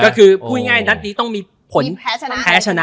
ก็คือพูดง่ายดังนี้ต้องไม่แพ้ชนะ